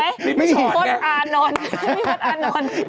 มีช่อนแหละมีมัดอานนอนมัดอานนอน